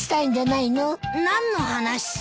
何の話さ？